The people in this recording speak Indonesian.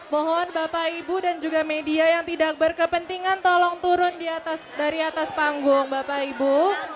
mohon bapak ibu dan juga media yang tidak berkepentingan tolong turun dari atas panggung bapak ibu